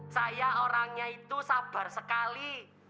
saya orangnya itu sabar sekali